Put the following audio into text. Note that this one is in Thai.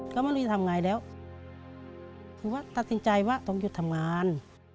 ก็ไม่รู้จะทำไงแล้วคือว่าตัดสินใจว่าต้องหยุดทำงาน